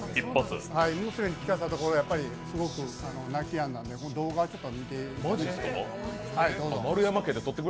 娘に聴かせたところ、すごく泣きやんだんで、動画をどうぞ。